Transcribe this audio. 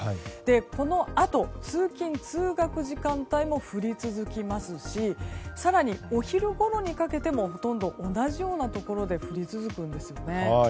このあと通勤・通学時間帯も降り続きますし更にお昼ごろにかけてもほとんど同じようなところで降り続くんですよね。